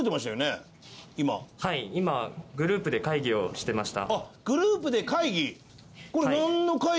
あっグループで会議？をしてました。